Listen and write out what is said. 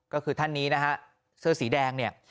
ก็คือท่านนี้นะฮะเสื้อสีแดงเนี่ย